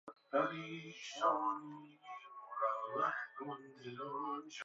تحت رهبری خردمندانه کمیتهٔ مرکزی حزب